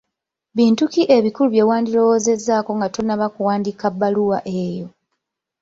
Bintu ki ebikulu bye wandirowoozezzaako nga tonnaba kuwandiika bbaluwa eyo?